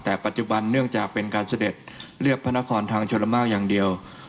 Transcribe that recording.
แต่ปัจจุบันเนื่องจากเป็นการเสด็จเลือกพระนครทางชลมากอย่างเดียว